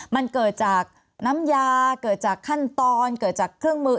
มันเกิดจากน้ำยาเกิดจากขั้นตอนเกิดจากเครื่องมือ